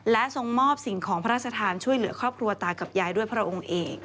และทรงมอบสิ่งของพระราชทานช่วยเหลือครอบครัวตากับยายด้วยพระองค์เอก